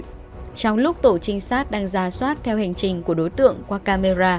trong lúc tổ trinh sát đang ra soát theo hành trình của đối tượng qua camera